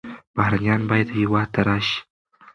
بهرنیان باید هېواد ته راشي.